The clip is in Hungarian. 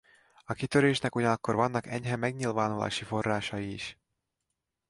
A kitörésnek ugyanakkor vannak enyhe megnyilvánulási forrásai is.